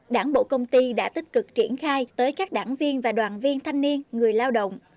đảng bộ công ty đã tích cực triển khai tới các đảng viên và đoàn viên thanh niên người lao động